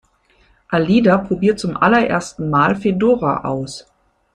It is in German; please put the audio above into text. Alida probiert zum allerersten Mal Fedora aus.